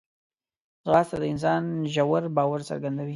ځغاسته د انسان ژور باور څرګندوي